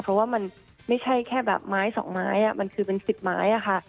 เพราะว่ามันไม่ใช่แค่แบบไม้สองไม้มันคือเป็น๑๐ไม้ค่ะ